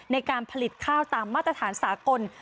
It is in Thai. ในการผลิตข้าวตามมาตรฐานสากล